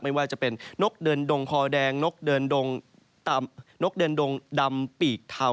ไม่ว่าจะเป็นนกเดินดงคอแดงนกเดินดงนกเดินดงดำปีกเทา